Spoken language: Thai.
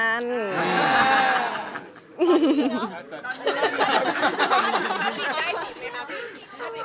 อะไรแบบอะไร